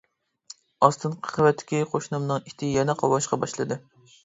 ئاستىنقى قەۋەتتىكى قوشنامنىڭ ئىتى يەنە قاۋاشقا باشلىدى.